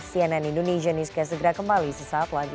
cnn indonesia newscast segera kembali sesaat lagi